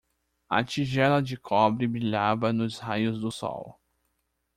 A tigela de cobre brilhava nos raios do sol.